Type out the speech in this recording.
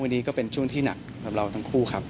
วันนี้ก็เป็นช่วงที่หนักสำหรับเราทั้งคู่ครับ